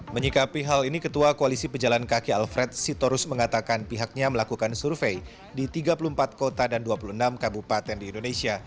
menyikapi hal ini ketua koalisi pejalan kaki alfred sitorus mengatakan pihaknya melakukan survei di tiga puluh empat kota dan dua puluh enam kabupaten di indonesia